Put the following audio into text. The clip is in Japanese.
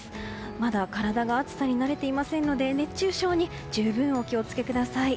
まだ体が暑さに慣れていませんので熱中症に十分お気を付けください。